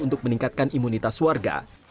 untuk meningkatkan imunitas warga